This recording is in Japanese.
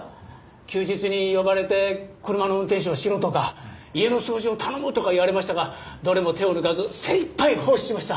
休日に呼ばれて車の運転手をしろとか家の掃除を頼むとか言われましたがどれも手を抜かず精いっぱい奉仕しました！